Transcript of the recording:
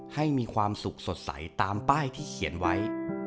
ให้มีความสุขสดใสตามป้ายที่เขียนไว้